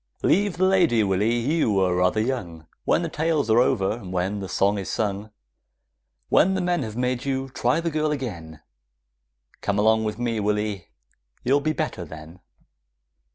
Leave the lady, Willy, you are rather young; When the tales are over, when the songs are sung, When the men have made you, try the girl again; Come along with me, Willy, you'll be better then!